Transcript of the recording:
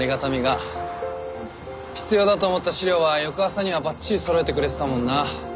必要だと思った資料は翌朝にはばっちりそろえてくれてたもんな。